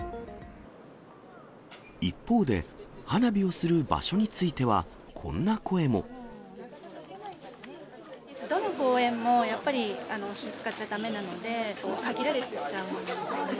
一方で、花火をする場所についてどの公園も、やっぱり火使っちゃだめなので、限られちゃうんですよね。